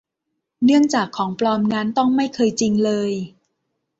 เนื่องจากของปลอมนั้นต้องไม่เคยจริงเลย